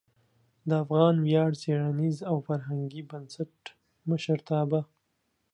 د افغان ویاړ څیړنیز او فرهنګي بنسټ مشرتابه